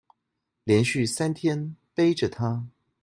連續三天背著她